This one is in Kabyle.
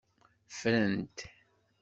Ffren-t.